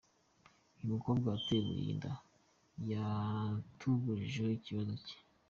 Uyu mukobwa watewe iyi nda, yatugejejeho ikibazo cye.